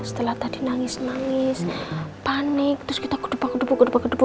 setelah tadi nangis nangis panik terus kita kedepan kedepan kedepan kedepan